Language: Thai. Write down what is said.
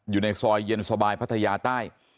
อยู่ในซอยเย็นสบายพัทยาใต้